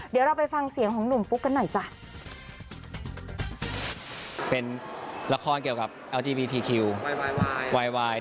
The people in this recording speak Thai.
เดี๋ยวเราไปฟังเสียงของหนุ่มฟุ๊กกันหน่อยจ้ะ